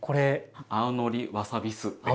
青のりわさび酢です。